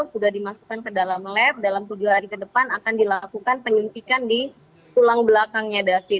sudah dimasukkan ke dalam lab dalam tujuh hari ke depan akan dilakukan penyuntikan di tulang belakangnya david